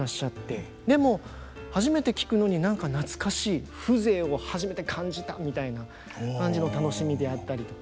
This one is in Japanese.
でも「初めて聴くのに何か懐かしい」「風情を初めて感じた」みたいな感じの楽しみであったりとか。